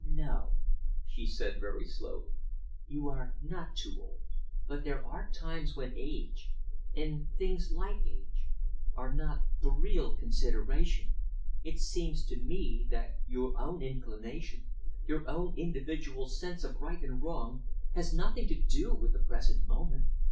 "No," she said very slowly. "You are not too old. But there are times when age and things like age are not the real consideration. It seems to me that your own inclination, your own individual sense of right and wrong, has nothing to do with the present moment.